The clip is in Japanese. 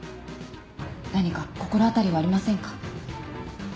何か心当たりはありませんか。